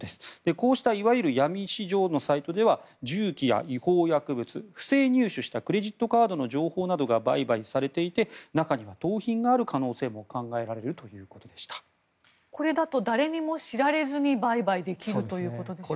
こうしたいわゆる闇市場サイトでは銃器や違法薬物不正入手したクレジットカードの情報などが売買されていて中には盗品がある可能性もこれだと誰にも知られず売買できるということでしょうか。